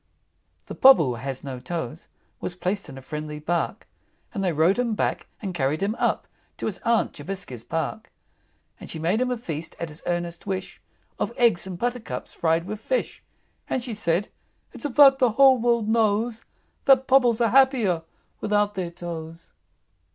VI. The Pobble who has no toes Was placed in a friendly Bark, And they rowed him back, and carried him up To his Aunt Jobiska's Park. And she made him a feast, at his earnest wish, Of eggs and buttercups fried with fish; And she said, "It's a fact the whole world knows, That Pobbles are happier without their toes."